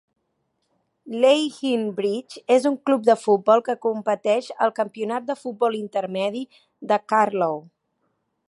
Leighlinbridge és un club de futbol que competeix al Campionat de Futbol Intermedi de Carlow.